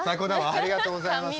ありがとうございます。